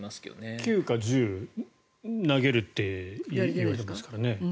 ９か１０に投げるって言われてますからね。